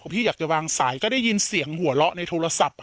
พี่อยากจะวางสายก็ได้ยินเสียงหัวเราะในโทรศัพท์